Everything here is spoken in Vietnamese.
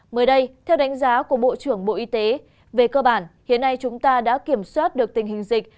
mới đây theo đánh giá của bộ trưởng bộ y tế về cơ bản hiện nay chúng ta đã kiểm soát được tình hình dịch